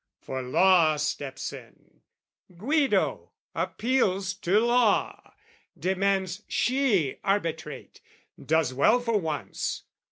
For Law steps in: Guido appeals to Law, Demands she arbitrate, does well for once.